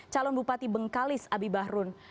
calon bupati bengkalis abi bahrun